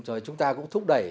rồi chúng ta cũng thúc đẩy